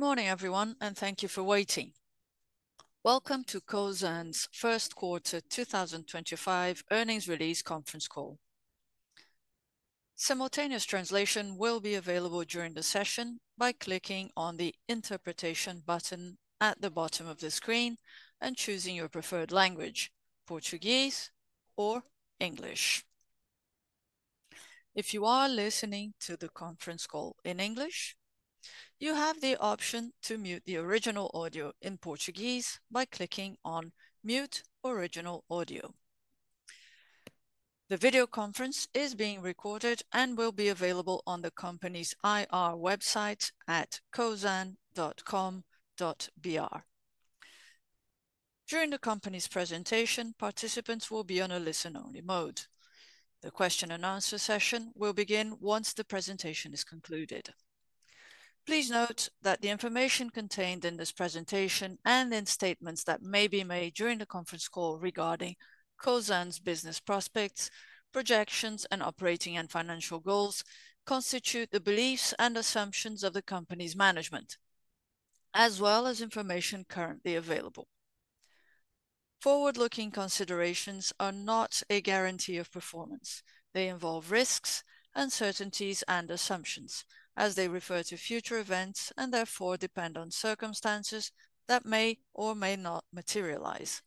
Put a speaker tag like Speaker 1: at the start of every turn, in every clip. Speaker 1: Good morning, everyone, and thank you for waiting. Welcome to Cosan's first quarter 2025 earnings release conference call. Simultaneous translation will be available during the session by clicking on the Interpretation button at the bottom of the screen and choosing your preferred language: Portuguese or English. If you are listening to the conference call in English, you have the option to mute the original audio in Portuguese by clicking on Mute Original Audio. The video conference is being recorded and will be available on the company's IR website at cosan.com.br. During the company's presentation, participants will be on a listen-only mode. The question-and-answer session will begin once the presentation is concluded. Please note that the information contained in this presentation and in statements that may be made during the conference call regarding Cosan's business prospects, projections, and operating and financial goals constitute the beliefs and assumptions of the company's management, as well as information currently available. Forward-looking considerations are not a guarantee of performance. They involve risks, uncertainties, and assumptions, as they refer to future events and therefore depend on circumstances that may or may not materialize.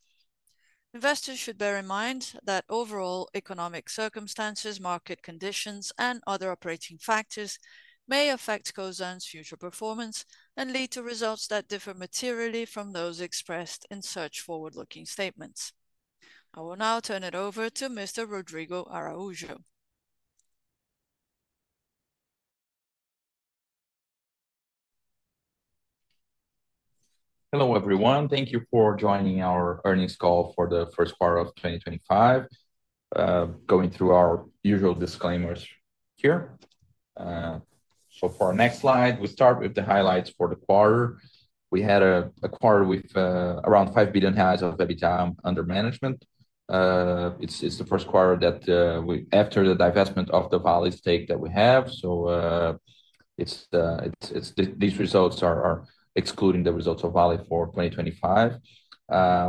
Speaker 1: Investors should bear in mind that overall economic circumstances, market conditions, and other operating factors may affect Cosan's future performance and lead to results that differ materially from those expressed in such forward-looking statements. I will now turn it over to Mr. Rodrigo Araujo.
Speaker 2: Hello, everyone. Thank you for joining our earnings call for the first quarter of 2025. Going through our usual disclaimers here. For our next slide, we start with the highlights for the quarter. We had a quarter with around 5 billion of EBITDA under management. It is the first quarter that we, after the divestment of the Vale stake that we have. These results are excluding the results of Vale for 2025.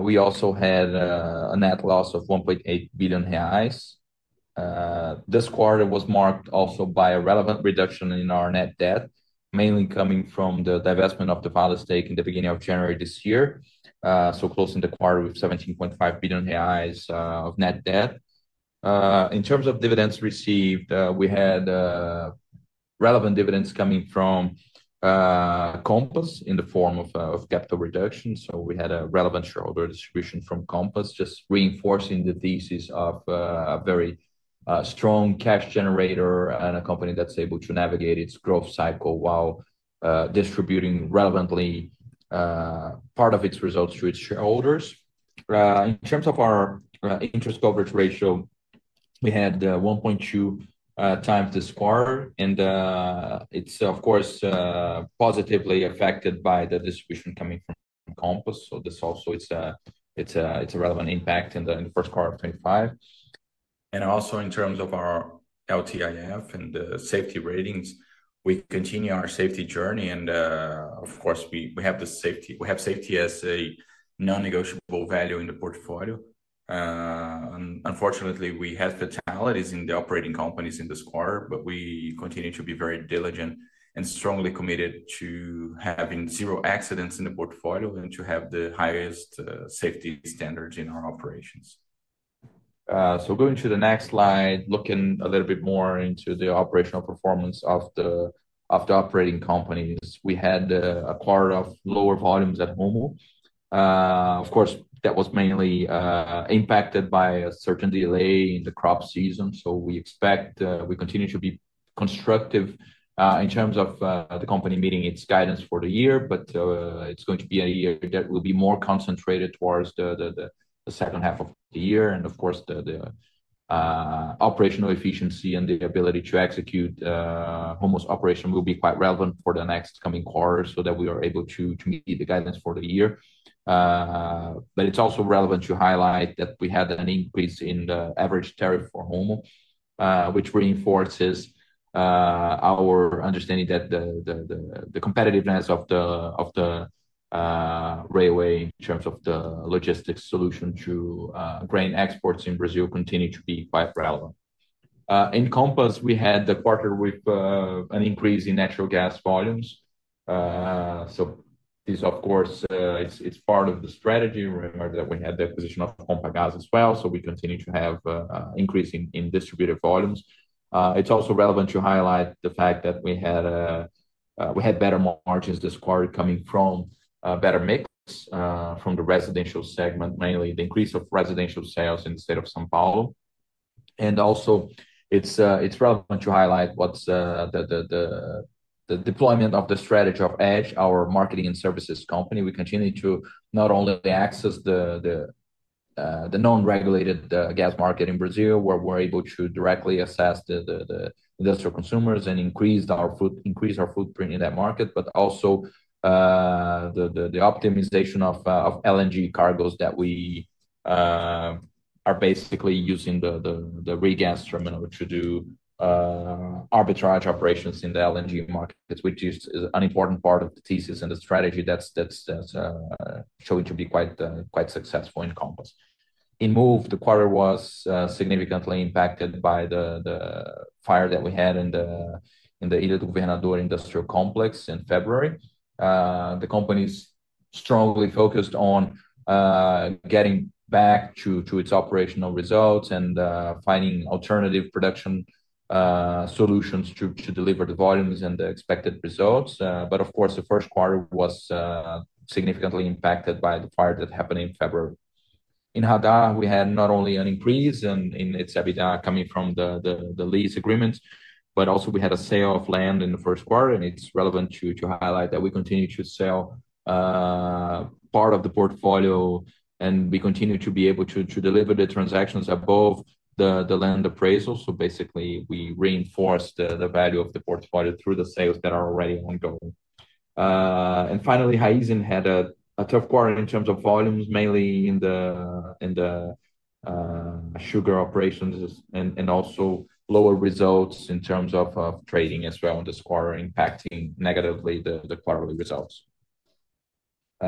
Speaker 2: We also had a net loss of 1.8 billion reais. This quarter was marked also by a relevant reduction in our net debt, mainly coming from the divestment of the Vale stake in the beginning of January this year. Closing the quarter with 17.5 billion reais of net debt. In terms of dividends received, we had relevant dividends coming from Compass in the form of capital reductions. We had a relevant shareholder distribution from Compass, just reinforcing the thesis of a very strong cash generator and a company that's able to navigate its growth cycle while distributing relevantly part of its results to its shareholders. In terms of our interest coverage ratio, we had 1.2x this quarter, and it's, of course, positively affected by the distribution coming from Compass. This also is a relevant impact in the first quarter of 2025. Also, in terms of our LTIF and the safety ratings, we continue our safety journey. Of course, we have safety as a non-negotiable value in the portfolio. Unfortunately, we had fatalities in the operating companies in this quarter, but we continue to be very diligent and strongly committed to having zero accidents in the portfolio and to have the highest safety standards in our operations. Going to the next slide, looking a little bit more into the operational performance of the operating companies, we had a quarter of lower volumes at Rumo. Of course, that was mainly impacted by a certain delay in the crop season. We expect we continue to be constructive in terms of the company meeting its guidance for the year, but it is going to be a year that will be more concentrated towards the second half of the year. Of course, the operational efficiency and the ability to execute Rumo's operation will be quite relevant for the next coming quarter so that we are able to meet the guidance for the year. It is also relevant to highlight that we had an increase in the average tariff for Rumo, which reinforces our understanding that the competitiveness of the railway in terms of the logistics solution to grain exports in Brazil continues to be quite relevant. In Compass, we had the quarter with an increase in natural gas volumes. This, of course, is part of the strategy. Remember that we had the acquisition of Compagas as well. We continue to have an increase in distributed volumes. It is also relevant to highlight the fact that we had better margins this quarter coming from a better mix from the residential segment, mainly the increase of residential sales in the state of São Paulo. It is also relevant to highlight the deployment of the strategy of Edge, our marketing and services company. We continue to not only access the non-regulated gas market in Brazil, where we're able to directly assess the industrial consumers and increase our footprint in that market, but also the optimization of LNG cargoes that we are basically using the re-gas terminal to do arbitrage operations in the LNG market, which is an important part of the thesis and the strategy that's showing to be quite successful in Compass. In Moove, the quarter was significantly impacted by the fire that we had in the Ilha do Governador industrial complex in February. The company is strongly focused on getting back to its operational results and finding alternative production solutions to deliver the volumes and the expected results. Of course, the first quarter was significantly impacted by the fire that happened in February. In Radar, we had not only an increase in its EBITDA coming from the lease agreement, but also we had a sale of land in the first quarter. It is relevant to highlight that we continue to sell part of the portfolio, and we continue to be able to deliver the transactions above the land appraisal. Basically, we reinforced the value of the portfolio through the sales that are already ongoing. Finally, Raízen had a tough quarter in terms of volumes, mainly in the sugar operations, and also lower results in terms of trading as well in this quarter, impacting negatively the quarterly results.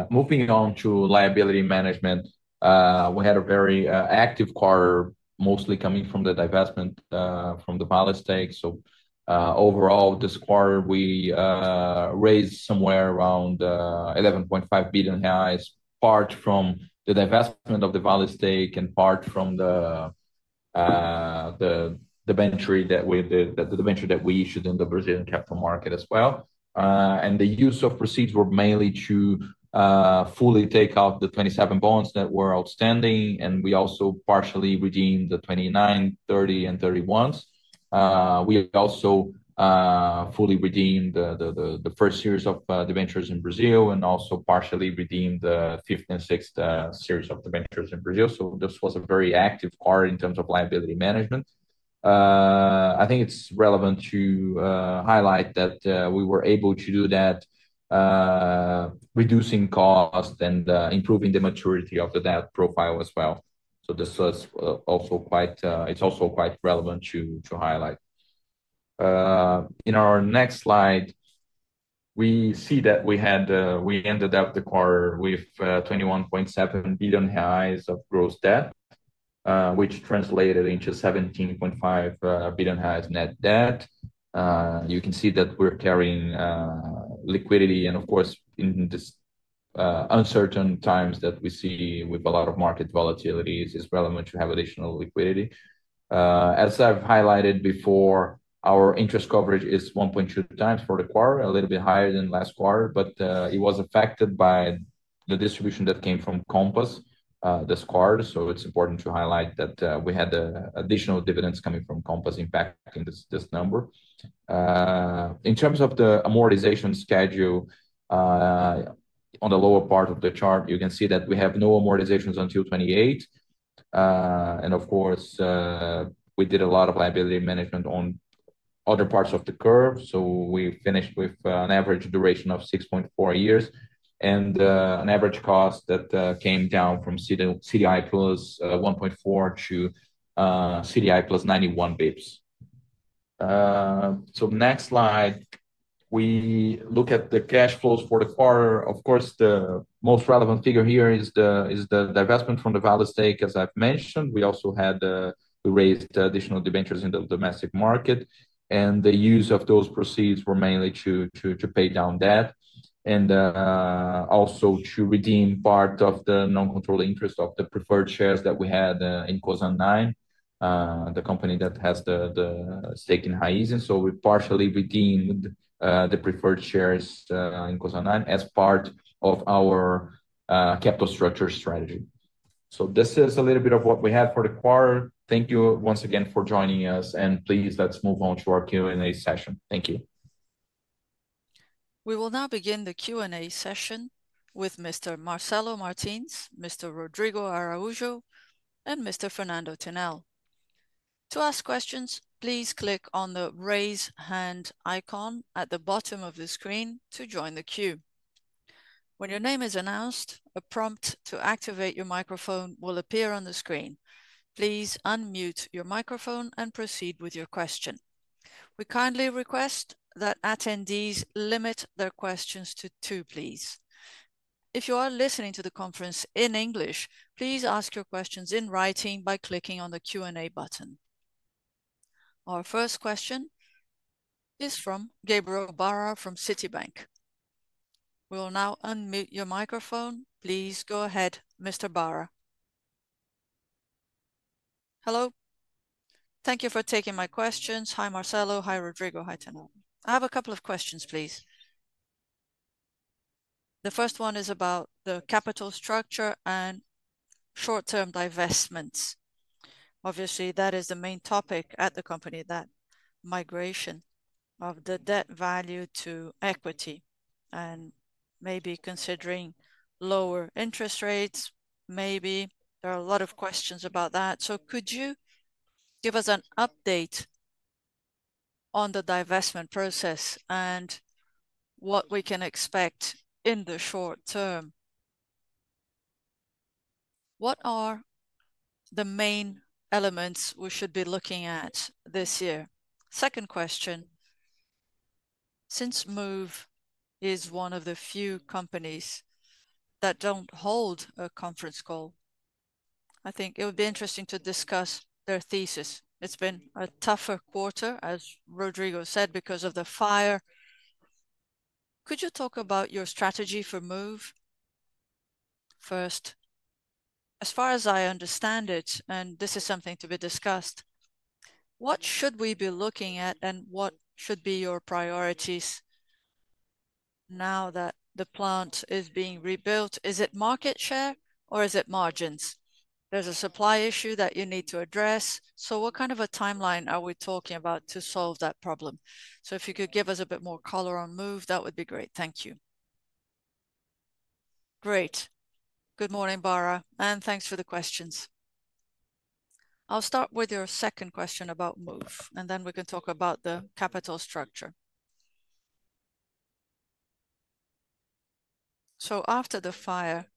Speaker 2: Moving on to liability management, we had a very active quarter, mostly coming from the divestment from the Vale stake. Overall, this quarter, we raised somewhere around 11.5 billion reais, part from the divestment of the Vale stake and part from the debenture that we issued in the Brazilian capital market as well. The use of proceeds were mainly to fully take out the 2027 bonds that were outstanding, and we also partially redeemed the 2029, 2030, and 2031s. We also fully redeemed the first series of the debentures in Brazil and also partially redeemed the fifth and sixth series of the debentures in Brazil. This was a very active quarter in terms of liability management. I think it is relevant to highlight that we were able to do that, reducing cost and improving the maturity of the debt profile as well. This was also quite relevant to highlight. In our next slide, we see that we ended up the quarter with 21.7 billion reais of gross debt, which translated into 17.5 billion reais net debt. You can see that we're carrying liquidity. Of course, in these uncertain times that we see with a lot of market volatilities, it's relevant to have additional liquidity. As I've highlighted before, our interest coverage is 1.2x for the quarter, a little bit higher than last quarter, but it was affected by the distribution that came from Compass this quarter. It's important to highlight that we had additional dividends coming from Compass impacting this number. In terms of the amortization schedule on the lower part of the chart, you can see that we have no amortizations until 2028. Of course, we did a lot of liability management on other parts of the curve. We finished with an average duration of 6.4 years and an average cost that came down from CDI plus 1.4 to CDI plus 91 basis points. Next slide, we look at the cash flows for the quarter. Of course, the most relevant figure here is the divestment from the Vale stake, as I have mentioned. We also raised additional debentures in the domestic market, and the use of those proceeds were mainly to pay down debt and also to redeem part of the non-controlled interest of the preferred shares that we had in Cosan Nove, the company that has the stake in Raízen. We partially redeemed the preferred shares in Cosan Nove as part of our capital structure strategy. This is a little bit of what we had for the quarter. Thank you once again for joining us, and please let's move on to our Q&A session. Thank you.
Speaker 1: We will now begin the Q&A session with Mr. Marcelo Martins, Mr. Rodrigo Araujo, and Mr. Fernando Tinel. To ask questions, please click on the raise hand icon at the bottom of the screen to join the queue. When your name is announced, a prompt to activate your microphone will appear on the screen. Please unmute your microphone and proceed with your question. We kindly request that attendees limit their questions to two, please. If you are listening to the conference in English, please ask your questions in writing by clicking on the Q&A button. Our first question is from Gabriel Barra from Citibank. We will now unmute your microphone. Please go ahead, Mr. Barra.
Speaker 3: Hello. Thank you for taking my questions. Hi, Marcelo. Hi, Rodrigo. Hi, Tinel. I have a couple of questions, please. The first one is about the capital structure and short-term divestments. Obviously, that is the main topic at the company, that migration of the debt value to equity and maybe considering lower interest rates. Maybe there are a lot of questions about that. Could you give us an update on the divestment process and what we can expect in the short term? What are the main elements we should be looking at this year? Second question, since Moove is one of the few companies that do not hold a conference call, I think it would be interesting to discuss their thesis. It has been a tougher quarter, as Rodrigo said, because of the fire. Could you talk about your strategy for Moove? First, as far as I understand it, and this is something to be discussed, what should we be looking at and what should be your priorities now that the plant is being rebuilt? Is it market share or is it margins? There is a supply issue that you need to address. What kind of a timeline are we talking about to solve that problem? If you could give us a bit more color on Moove, that would be great. Thank you.
Speaker 2: Great. Good morning, Barra, and thanks for the questions. I'll start with your second question about Moove, and then we can talk about the capital structure. After the fire,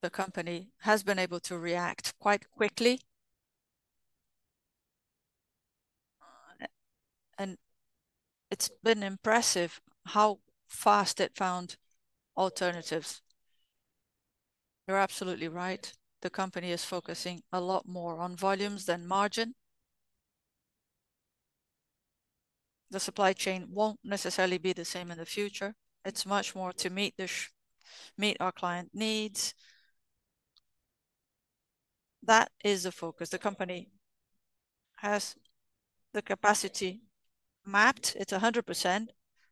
Speaker 2: the company has been able to react quite quickly, and it has been impressive how fast it found alternatives. You're absolutely right. The company is focusing a lot more on volumes than margin. The supply chain will not necessarily be the same in the future. It is much more to meet our client needs. That is the focus. The company has the capacity mapped. It is 100%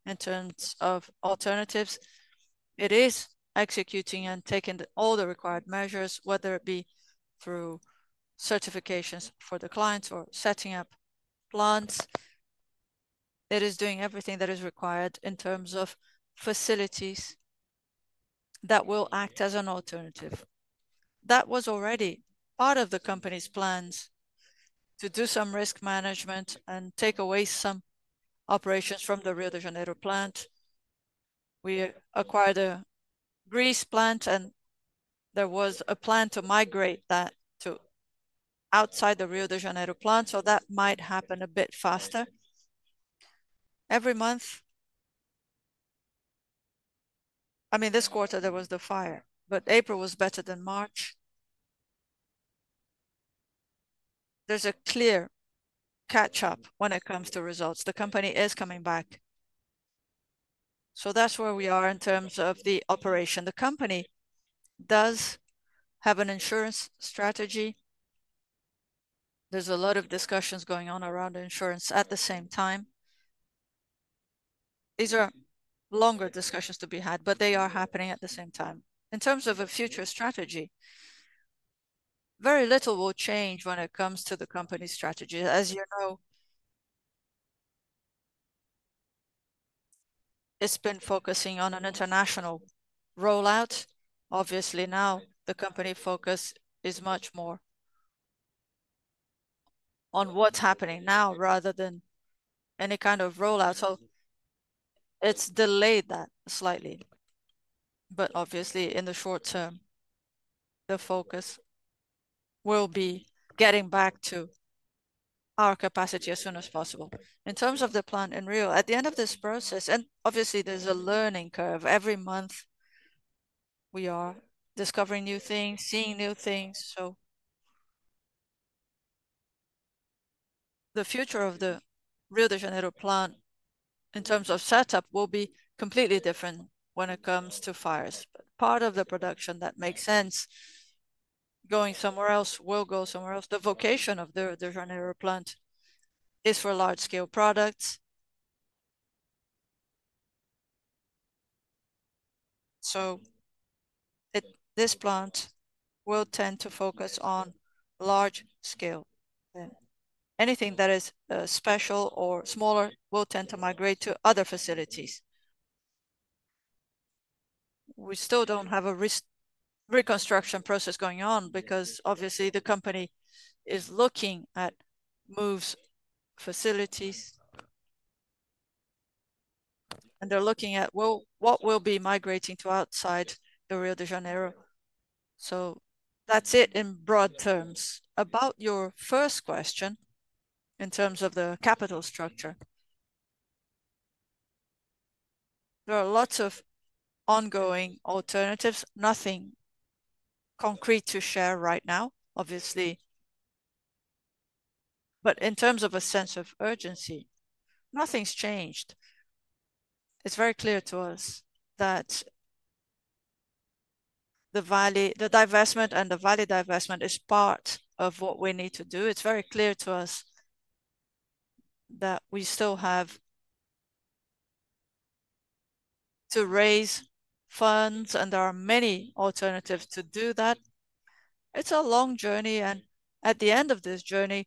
Speaker 2: in terms of alternatives. It is executing and taking all the required measures, whether it be through certifications for the clients or setting up plants. It is doing everything that is required in terms of facilities that will act as an alternative. That was already part of the company's plans to do some risk management and take away some operations from the Rio de Janeiro plant. We acquired a grease plant, and there was a plan to migrate that to outside the Rio de Janeiro plant, so that might happen a bit faster. Every month, I mean, this quarter, there was the fire, but April was better than March. There is a clear catch-up when it comes to results. The company is coming back. That is where we are in terms of the operation. The company does have an insurance strategy. There is a lot of discussions going on around insurance at the same time. These are longer discussions to be had, but they are happening at the same time. In terms of a future strategy, very little will change when it comes to the company's strategy. As you know, it's been focusing on an international rollout. Obviously, now the company focus is much more on what's happening now rather than any kind of rollout. It has delayed that slightly. Obviously, in the short term, the focus will be getting back to our capacity as soon as possible. In terms of the plant in Rio de Janeiro, at the end of this process, and obviously, there's a learning curve. Every month, we are discovering new things, seeing new things. The future of the Rio de Janeiro plant in terms of setup will be completely different when it comes to fires. Part of the production that makes sense going somewhere else will go somewhere else. The vocation of the Rio de Janeiro plant is for large-scale products. This plant will tend to focus on large scale. Anything that is special or smaller will tend to migrate to other facilities. We still do not have a reconstruction process going on because, obviously, the company is looking at Moove's facilities, and they are looking at what will be migrating to outside the Rio de Janeiro. That is it in broad terms. About your first question in terms of the capital structure, there are lots of ongoing alternatives. Nothing concrete to share right now, obviously. In terms of a sense of urgency, nothing has changed. It is very clear to us that the divestment and the value divestment is part of what we need to do. It is very clear to us that we still have to raise funds, and there are many alternatives to do that. It's a long journey, and at the end of this journey,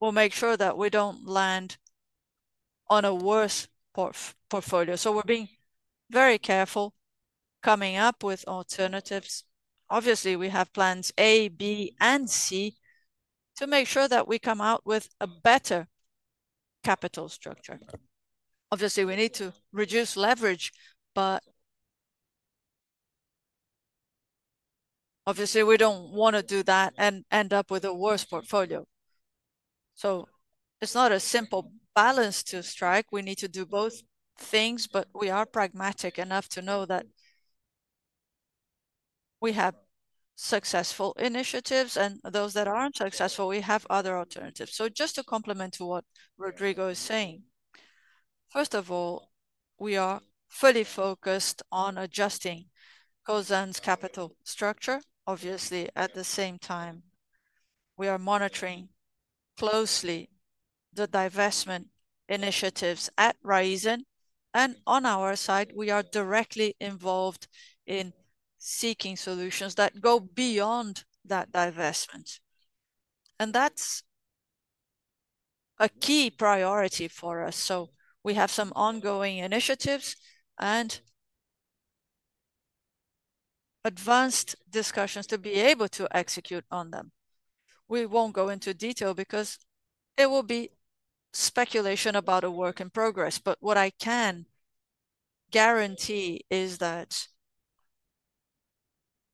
Speaker 2: we'll make sure that we don't land on a worse portfolio. We are being very careful coming up with alternatives. Obviously, we have plans A, B, and C to make sure that we come out with a better capital structure. Obviously, we need to reduce leverage, but obviously, we don't want to do that and end up with a worse portfolio. It's not a simple balance to strike. We need to do both things, but we are pragmatic enough to know that we have successful initiatives, and those that aren't successful, we have other alternatives.
Speaker 4: Just to complement what Rodrigo is saying, first of all, we are fully focused on adjusting Cosan's capital structure. Obviously, at the same time, we are monitoring closely the divestment initiatives at Raízen. On our side, we are directly involved in seeking solutions that go beyond that divestment. That is a key priority for us. We have some ongoing initiatives and advanced discussions to be able to execute on them. We will not go into detail because it would be speculation about a work in progress. What I can guarantee is that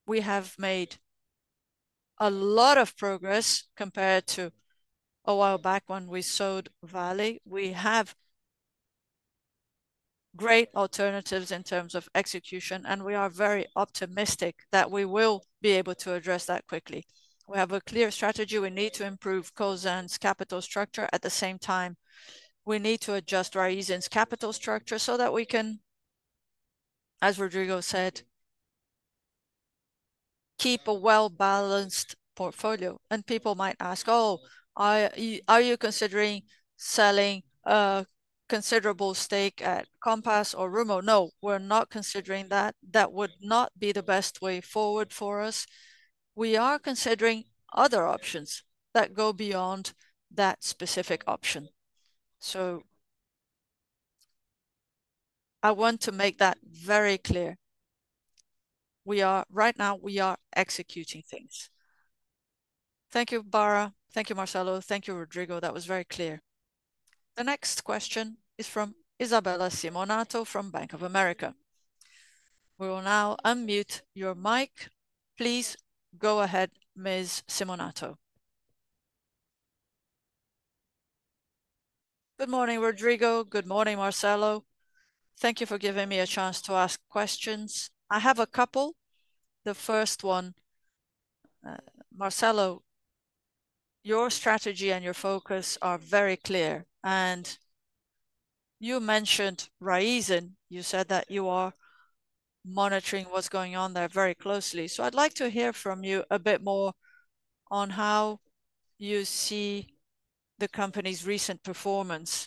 Speaker 4: we have made a lot of progress compared to a while back when we sold Vale. We have great alternatives in terms of execution, and we are very optimistic that we will be able to address that quickly. We have a clear strategy. We need to improve Cosan's capital structure. At the same time, we need to adjust Raízen's capital structure so that we can, as Rodrigo said, keep a well-balanced portfolio. People might ask, "Oh, are you considering selling a considerable stake at Compass or Rumo?" No, we're not considering that. That would not be the best way forward for us. We are considering other options that go beyond that specific option. I want to make that very clear. Right now, we are executing things.
Speaker 1: Thank you, Barra. Thank you, Marcelo. Thank you, Rodrigo. That was very clear. The next question is from Isabella Simonato from Bank of America. We will now unmute your mic. Please go ahead, Ms. Simonato.
Speaker 5: Good morning, Rodrigo. Good morning, Marcelo. Thank you for giving me a chance to ask questions. I have a couple. The first one, Marcelo, your strategy and your focus are very clear. You mentioned Raízen. You said that you are monitoring what's going on there very closely. I'd like to hear from you a bit more on how you see the company's recent performance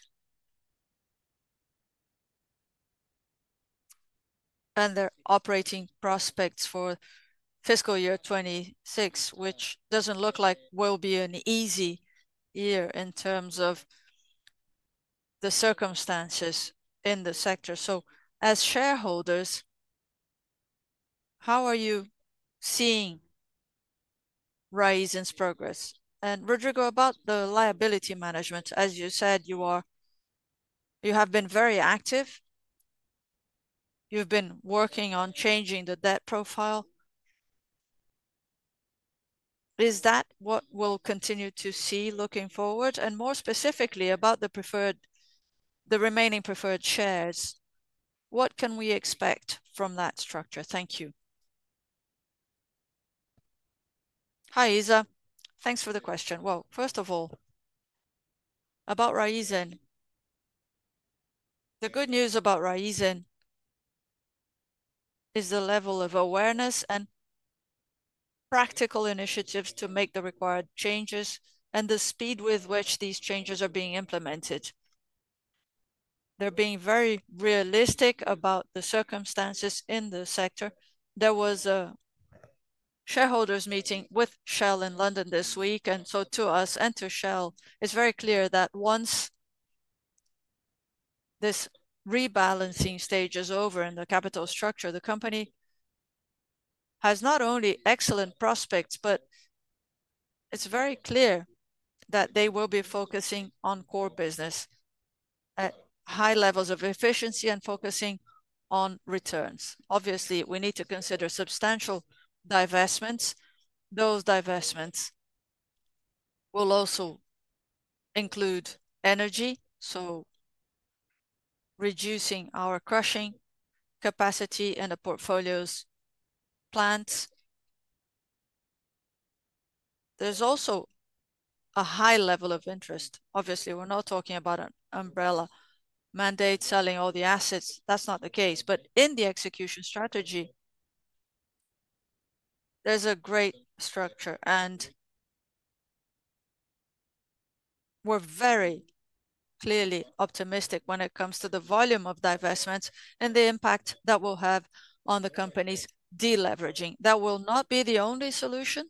Speaker 5: and their operating prospects for fiscal year 2026, which does not look like will be an easy year in terms of the circumstances in the sector. As shareholders, how are you seeing Raízen's progress? Rodrigo, about the liability management, as you said, you have been very active. You have been working on changing the debt profile. Is that what we will continue to see looking forward? More specifically about the remaining preferred shares, what can we expect from that structure? Thank you.
Speaker 4: Hi, Isa. Thanks for the question. First of all, about Raízen, the good news about Raízen is the level of awareness and practical initiatives to make the required changes and the speed with which these changes are being implemented. They are being very realistic about the circumstances in the sector. There was a shareholders' meeting with Shell in London this week. To us and to Shell, it is very clear that once this rebalancing stage is over in the capital structure, the company has not only excellent prospects, but it is very clear that they will be focusing on core business at high levels of efficiency and focusing on returns. Obviously, we need to consider substantial divestments. Those divestments will also include energy, reducing our crushing capacity and the portfolio's plants. There is also a high level of interest. Obviously, we are not talking about an umbrella mandate selling all the assets. That is not the case. In the execution strategy, there is a great structure. We are very clearly optimistic when it comes to the volume of divestments and the impact that will have on the company's deleveraging. That will not be the only solution.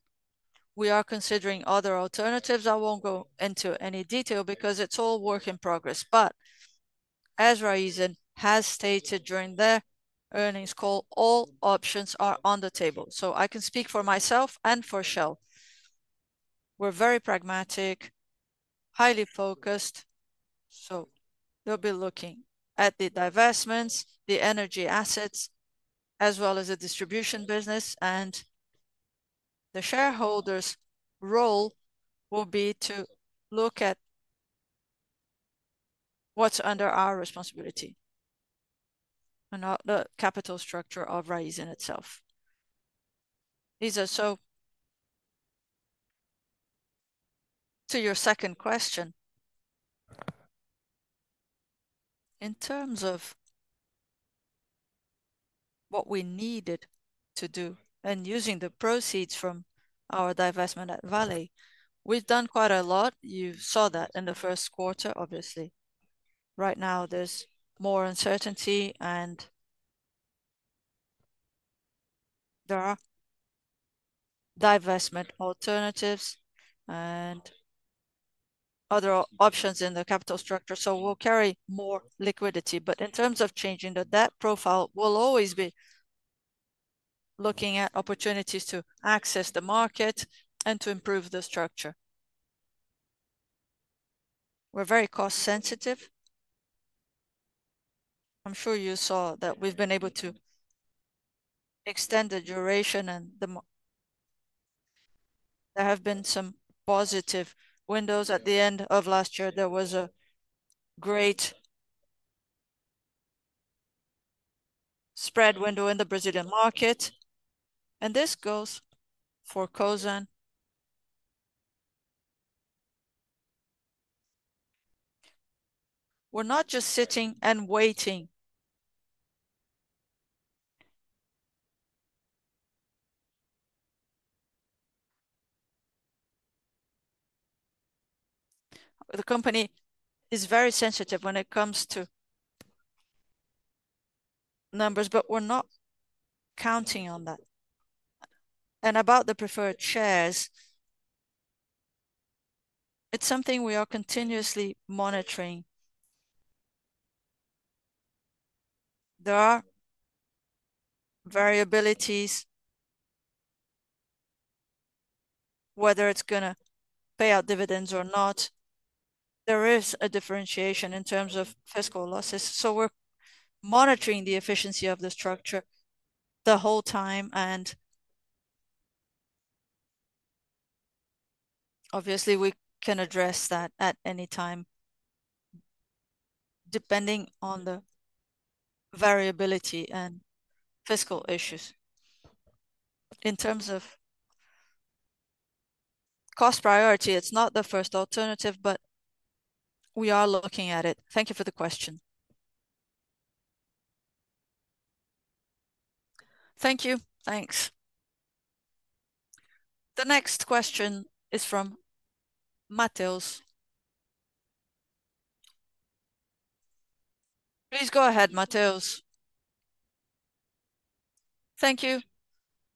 Speaker 4: We are considering other alternatives. I won't go into any detail because it's all work in progress. As Raízen has stated during their earnings call, all options are on the table. I can speak for myself and for Shell. We're very pragmatic, highly focused. They'll be looking at the divestments, the energy assets, as well as the distribution business. The shareholders' role will be to look at what's under our responsibility and not the capital structure of Raízen itself.
Speaker 2: Isa, to your second question, in terms of what we needed to do and using the proceeds from our divestment at Vale, we've done quite a lot. You saw that in the first quarter, obviously. Right now, there's more uncertainty, and there are divestment alternatives and other options in the capital structure. We'll carry more liquidity. In terms of changing the debt profile, we'll always be looking at opportunities to access the market and to improve the structure. We're very cost-sensitive. I'm sure you saw that we've been able to extend the duration, and there have been some positive windows. At the end of last year, there was a great spread window in the Brazilian market. This goes for Cosan. We're not just sitting and waiting. The company is very sensitive when it comes to numbers, but we're not counting on that. About the preferred shares, it's something we are continuously monitoring. There are variabilities, whether it's going to pay out dividends or not. There is a differentiation in terms of fiscal losses. We're monitoring the efficiency of the structure the whole time. Obviously, we can address that at any time depending on the variability and fiscal issues. In terms of cost priority, it's not the first alternative, but we are looking at it. Thank you for the question.
Speaker 5: Thank you.
Speaker 1: Thanks. The next question is from Mateus. Please go ahead, Mateus.
Speaker 6: Thank you.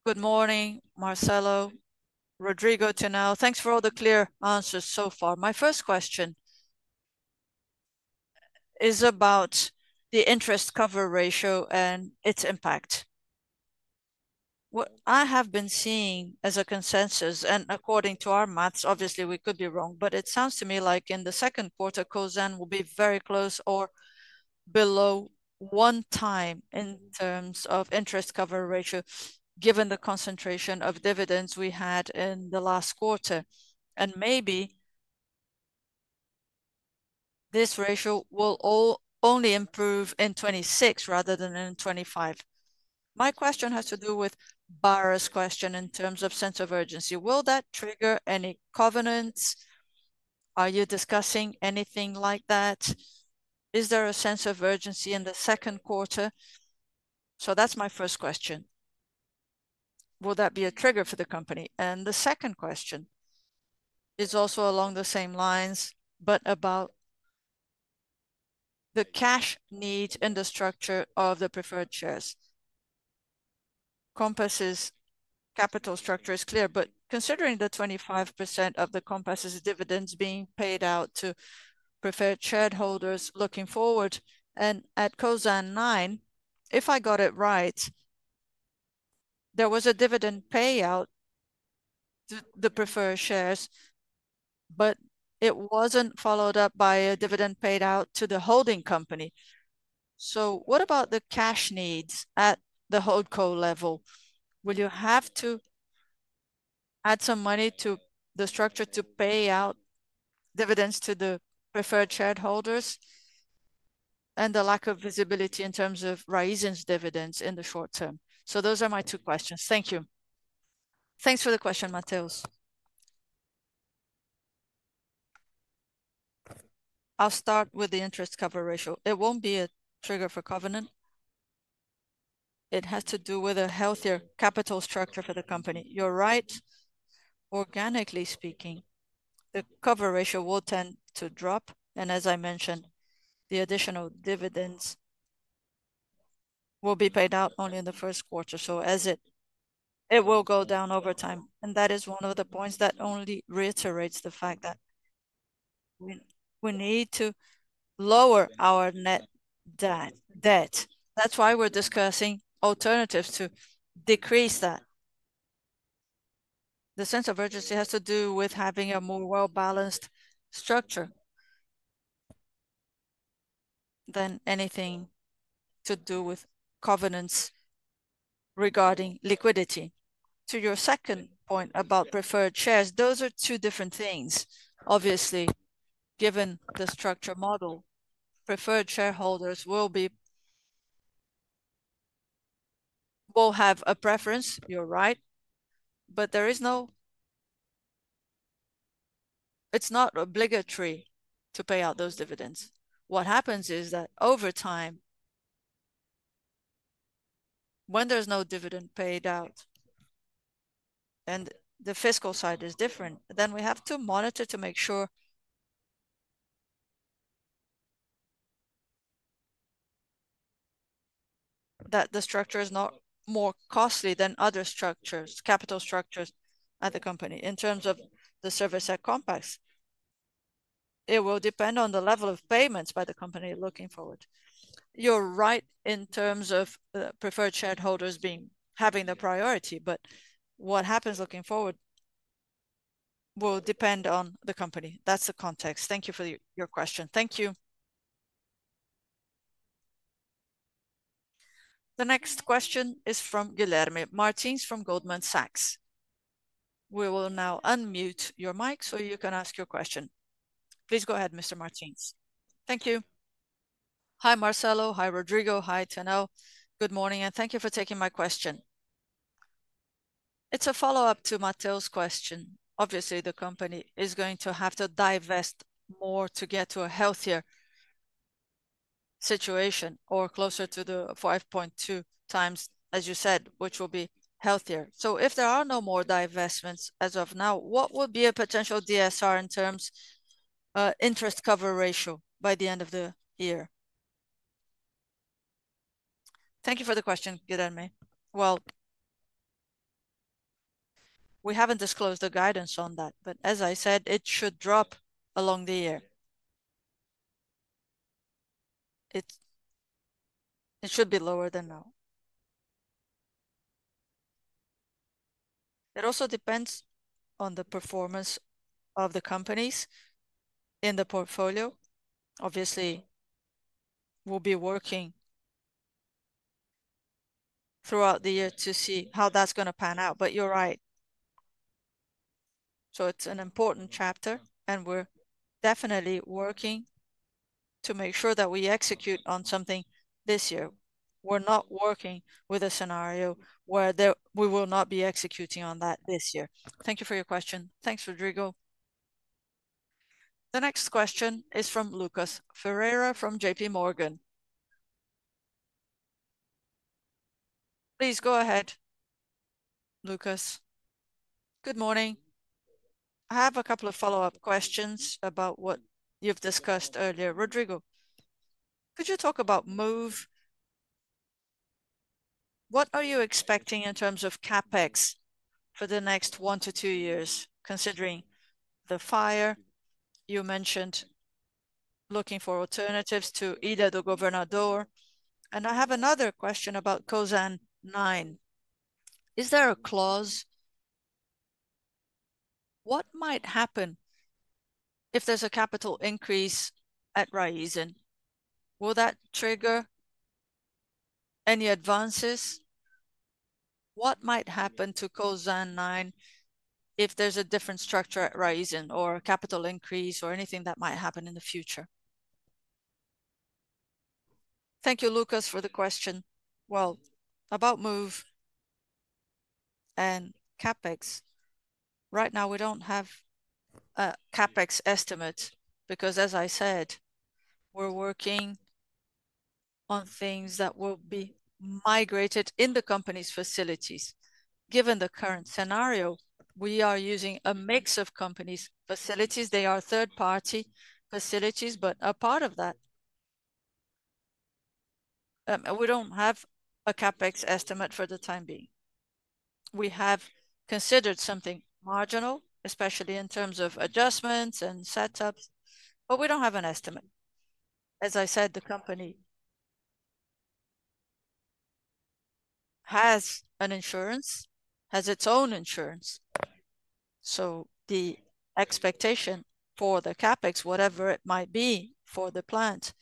Speaker 6: Good morning, Marcelo. Rodrigo, Tinel. Thanks for all the clear answers so far. My first question is about the interest cover ratio and its impact. What I have been seeing as a consensus, and according to our maths, obviously, we could be wrong, but it sounds to me like in the second quarter, Cosan will be very close or below one time in terms of interest cover ratio, given the concentration of dividends we had in the last quarter. And maybe this ratio will only improve in 2026 rather than in 2025. My question has to do with Barra's question in terms of sense of urgency. Will that trigger any covenants? Are you discussing anything like that? Is there a sense of urgency in the second quarter? That is my first question. Will that be a trigger for the company? The second question is also along the same lines, but about the cash needs in the structure of the preferred shares. Compass's capital structure is clear, but considering the 25% of Compass's dividends being paid out to preferred shareholders looking forward, and at Cosan Nove, if I got it right, there was a dividend payout to the preferred shares, but it was not followed up by a dividend paid out to the holding company. What about the cash needs at the hold co level? Will you have to add some money to the structure to pay out dividends to the preferred shareholders and the lack of visibility in terms of Raízen's dividends in the short term? Thank you.
Speaker 2: Thanks for the question, Mateus. I'll start with the interest cover ratio. It won't be a trigger for covenant. It has to do with a healthier capital structure for the company. You're right. Organically speaking, the cover ratio will tend to drop. As I mentioned, the additional dividends will be paid out only in the first quarter. It will go down over time. That is one of the points that only reiterates the fact that we need to lower our net debt. That's why we're discussing alternatives to decrease that. The sense of urgency has to do with having a more well-balanced structure than anything to do with covenants regarding liquidity. To your second point about preferred shares, those are two different things. Obviously, given the structure model, preferred shareholders will have a preference, you're right, but it's not obligatory to pay out those dividends. What happens is that over time, when there's no dividend paid out and the fiscal side is different, then we have to monitor to make sure that the structure is not more costly than other structures, capital structures at the company. In terms of the service at Compass, it will depend on the level of payments by the company looking forward. You're right in terms of preferred shareholders having the priority, but what happens looking forward will depend on the company. That's the context. Thank you for your question.
Speaker 6: Thank you.
Speaker 1: The next question is from Guilherme Martins from Goldman Sachs. We will now unmute your mic so you can ask your question. Please go ahead, Mr. Martins.
Speaker 7: Thank you. Hi, Marcelo. Hi, Rodrigo. Hi, Tinel. Good morning, and thank you for taking my question. It's a follow-up to Mateus's question. Obviously, the company is going to have to divest more to get to a healthier situation or closer to the 5.2x, as you said, which will be healthier. If there are no more divestments as of now, what will be a potential DSR in terms of interest cover ratio by the end of the year?
Speaker 2: Thank you for the question, Guilherme. We haven't disclosed the guidance on that, but as I said, it should drop along the year. It should be lower than now. It also depends on the performance of the companies in the portfolio. Obviously, we'll be working throughout the year to see how that's going to pan out, but you're right. It is an important chapter, and we are definitely working to make sure that we execute on something this year. We are not working with a scenario where we will not be executing on that this year. Thank you for your question.
Speaker 7: Thanks, Rodrigo.
Speaker 1: The next question is from Lucas Ferreira from JP Morgan. Please go ahead, Lucas.
Speaker 8: Good morning. I have a couple of follow-up questions about what you have discussed earlier. Rodrigo, could you talk about Moove? What are you expecting in terms of CapEx for the next one to two years, considering the fire you mentioned, looking for alternatives to Ilha do Governador? I have another question about Cosan Nove. Is there a clause? What might happen if there is a capital increase at Raízen? Will that trigger any advances? What might happen to Cosan Nove if there's a different structure at Raízen or a capital increase or anything that might happen in the future?
Speaker 2: Thank you, Lucas, for the question. About Moove and CapEx, right now, we don't have a CapEx estimate because, as I said, we're working on things that will be migrated in the company's facilities. Given the current scenario, we are using a mix of companies' facilities. They are third-party facilities, but a part of that. We don't have a CapEx estimate for the time being. We have considered something marginal, especially in terms of adjustments and setups, but we don't have an estimate. As I said, the company has an insurance, has its own insurance. The expectation for the CapEx, whatever it might be for the plant,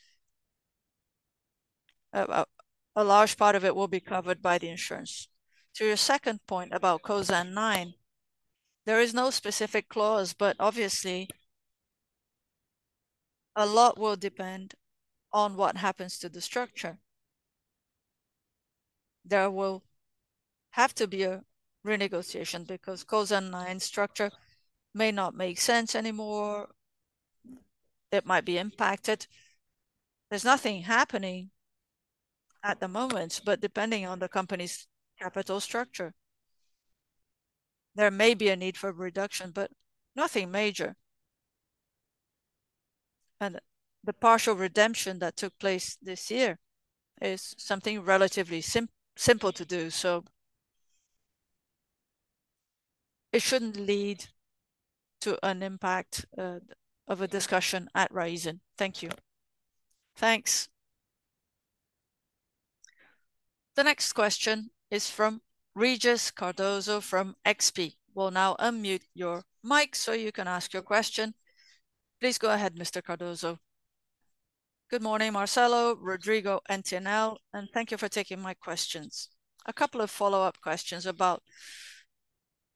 Speaker 2: a large part of it will be covered by the insurance. To your second point about Cosan Nove, there is no specific clause, but obviously, a lot will depend on what happens to the structure. There will have to be a renegotiation because Cosan Nove's structure may not make sense anymore. It might be impacted. There's nothing happening at the moment, but depending on the company's capital structure, there may be a need for reduction, but nothing major. The partial redemption that took place this year is something relatively simple to do. It shouldn't lead to an impact of a discussion at Raízen. Thank you.
Speaker 8: Thanks.
Speaker 1: The next question is from Regis Cardoso from XP. We'll now unmute your mic so you can ask your question. Please go ahead, Mr. Cardoso.
Speaker 9: Good morning, Marcelo, Rodrigo, and Tinel. Thank you for taking my questions. A couple of follow-up questions about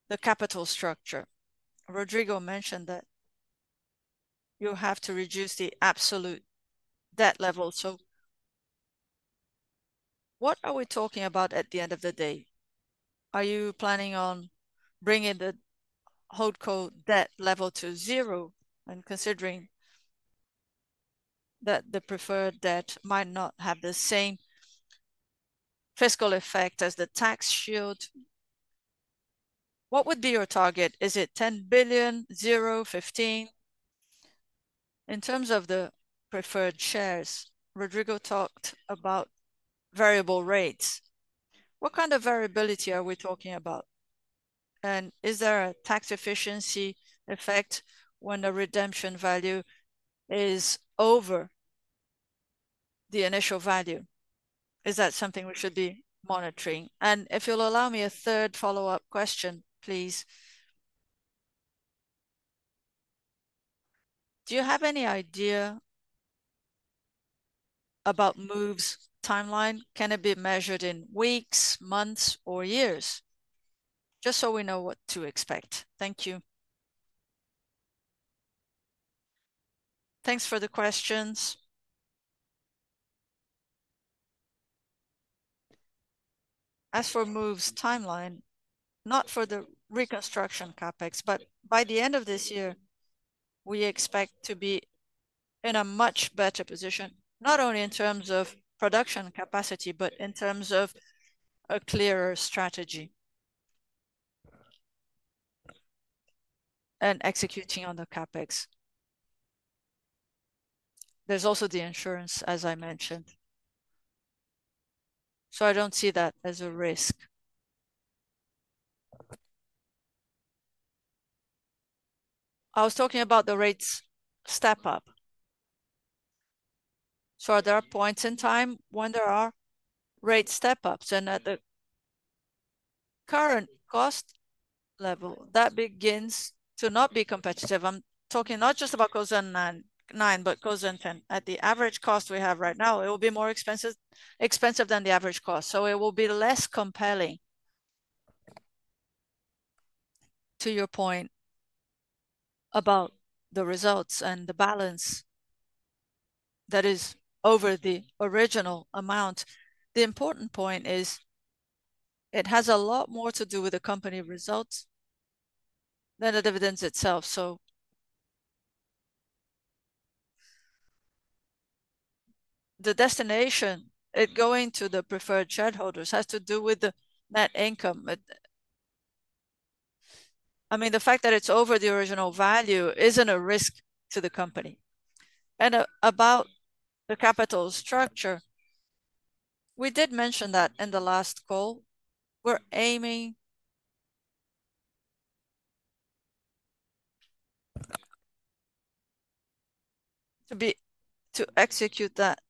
Speaker 9: the capital structure. Rodrigo mentioned that you have to reduce the absolute debt level. What are we talking about at the end of the day? Are you planning on bringing the hold co debt level to zero and considering that the preferred debt might not have the same fiscal effect as the tax shield? What would be your target? Is it 10 billion, zero, 15 billion? In terms of the preferred shares, Rodrigo talked about variable rates. What kind of variability are we talking about? Is there a tax efficiency effect when the redemption value is over the initial value? Is that something we should be monitoring? If you'll allow me a third follow-up question, please. Do you have any idea about Moove's timeline? Can it be measured in weeks, months, or years? Just so we know what to expect. Thank you.
Speaker 2: Thanks for the questions. As for Moove's timeline, not for the reconstruction CapEx, but by the end of this year, we expect to be in a much better position, not only in terms of production capacity, but in terms of a clearer strategy and executing on the CapEx. There is also the insurance, as I mentioned. I do not see that as a risk. I was talking about the rates step-up. Are there points in time when there are rate step-ups? At the current cost level, that begins to not be competitive. I am talking not just about Cosan Nove, but Cosan Dez. At the average cost we have right now, it will be more expensive than the average cost. It will be less compelling. To your point about the results and the balance that is over the original amount, the important point is it has a lot more to do with the company results than the dividends itself. The destination, it going to the preferred shareholders has to do with the net income. I mean, the fact that it's over the original value isn't a risk to the company. About the capital structure, we did mention that in the last call. We're aiming to execute that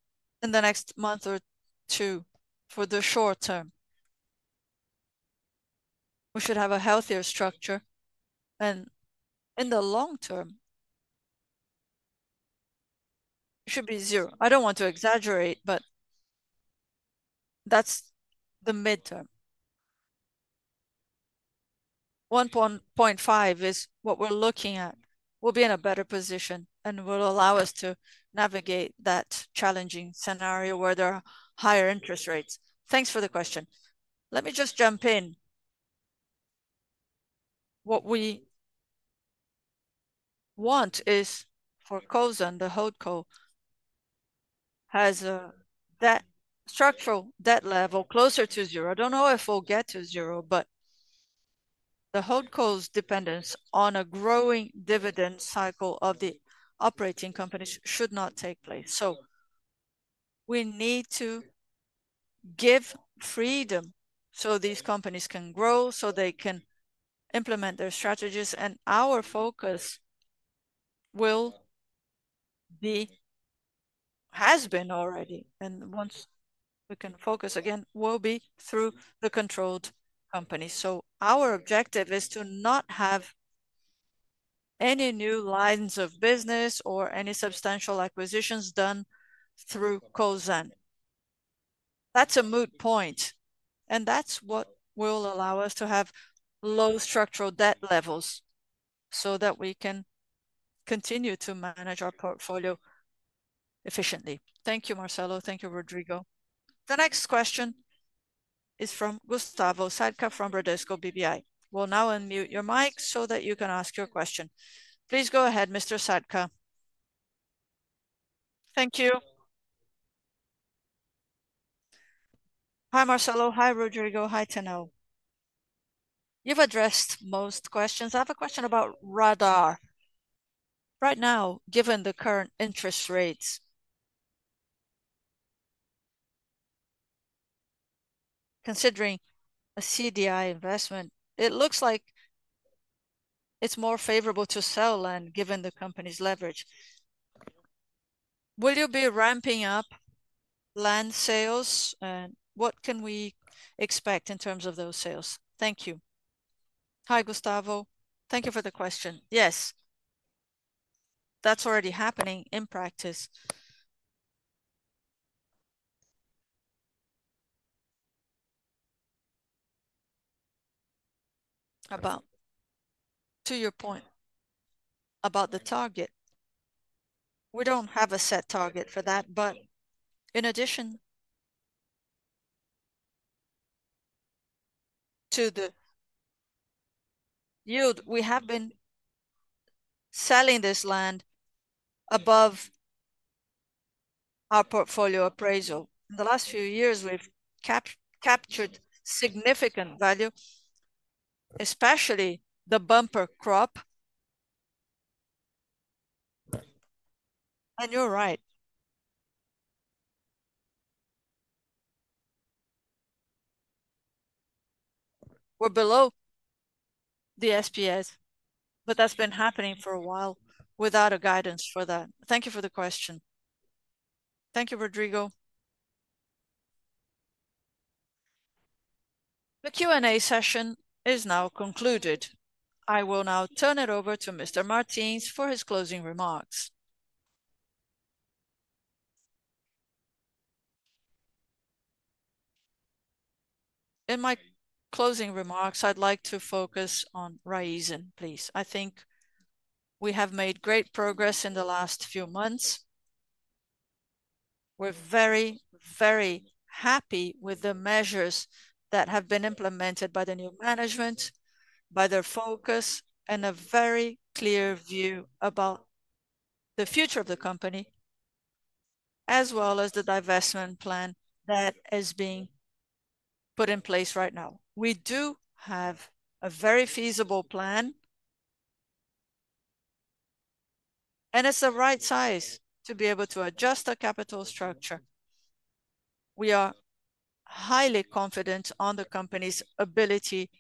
Speaker 2: in the next month or two for the short term. We should have a healthier structure. In the long term, it should be zero. I don't want to exaggerate, but that's the midterm. 1.5 is what we're looking at. We'll be in a better position, and it will allow us to navigate that challenging scenario where there are higher interest rates. Thanks for the question.
Speaker 4: Let me just jump in. What we want is for Cosan, the hold co, has a structural debt level closer to zero. I do not know if we will get to zero, but the hold co's dependence on a growing dividend cycle of the operating companies should not take place. We need to give freedom so these companies can grow, so they can implement their strategies. Our focus will be, has been already, and once we can focus again, will be through the controlled companies. Our objective is to not have any new lines of business or any substantial acquisitions done through Cosan. That is a moot point. That is what will allow us to have low structural debt levels so that we can continue to manage our portfolio efficiently.
Speaker 9: Thank you, Marcelo. Thank you, Rodrigo.
Speaker 1: The next question is from Gustavo Sadka from Bradesco BBI. We'll now unmute your mic so that you can ask your question. Please go ahead, Mr. Sadka.
Speaker 10: Thank you. Hi, Marcelo. Hi, Rodrigo. Hi, Tinel. You've addressed most questions. I have a question about Radar. Right now, given the current interest rates, considering a CDI investment, it looks like it's more favorable to sell land given the company's leverage. Will you be ramping up land sales, and what can we expect in terms of those sales? Thank you.
Speaker 2: Hi, Gustavo. Thank you for the question. Yes. That's already happening in practice. To your point about the target, we don't have a set target for that, but in addition to the yield, we have been selling this land above our portfolio appraisal. In the last few years, we've captured significant value, especially the bumper crop. And you're right. We're below the SPS, but that's been happening for a while without a guidance for that. Thank you for the question.
Speaker 10: Thank you, Rodrigo.
Speaker 1: The Q&A session is now concluded. I will now turn it over to Mr. Martins for his closing remarks.
Speaker 4: In my closing remarks, I'd like to focus on Raízen, please. I think we have made great progress in the last few months. We're very, very happy with the measures that have been implemented by the new management, by their focus, and a very clear view about the future of the company, as well as the divestment plan that is being put in place right now. We do have a very feasible plan, and it's the right size to be able to adjust our capital structure. We are highly confident on the company's ability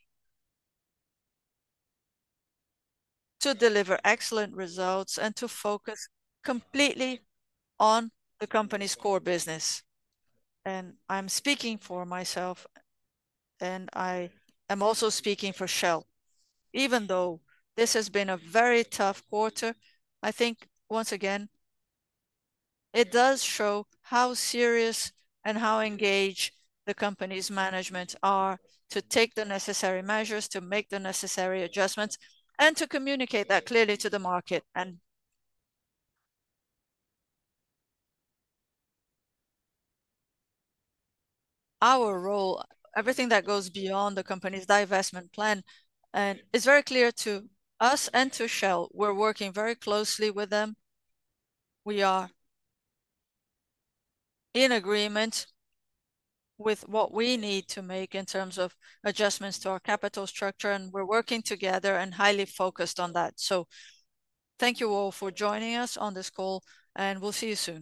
Speaker 4: to deliver excellent results and to focus completely on the company's core business. I am speaking for myself, and I am also speaking for Shell. Even though this has been a very tough quarter, I think once again, it does show how serious and how engaged the company's management are to take the necessary measures, to make the necessary adjustments, and to communicate that clearly to the market. Our role, everything that goes beyond the company's divestment plan, is very clear to us and to Shell. We are working very closely with them. We are in agreement with what we need to make in terms of adjustments to our capital structure, and we are working together and highly focused on that. Thank you all for joining us on this call, and we will see you soon.